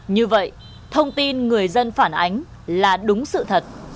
như vậy thông tin người dân phản ánh là đúng sự thật